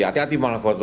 hati hati malah waktu itu